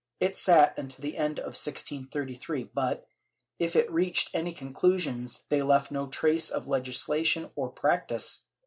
It sat until the end of 1633 but, if it reached any conclusions, they left no trace on legislation or practice.